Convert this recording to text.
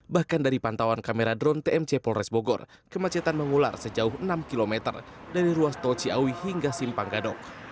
bahkan dari pantauan kamera drone tmc polres bogor kemacetan mengular sejauh enam km dari ruas tol ciawi hingga simpang gadok